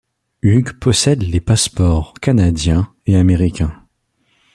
Hughes possède les passeports canadiens et américains.